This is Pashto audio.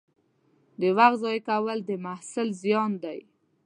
د وخت ضایع کول د محصل زیان دی.